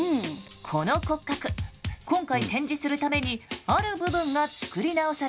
この骨格今回展示するためにある部分が作り直されました。